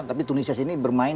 tapi tunisia sini bermain